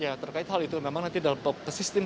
ya terkait hal itu memang nanti dalam sistem